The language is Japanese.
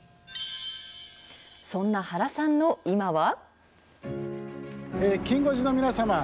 そんな原さんの今は？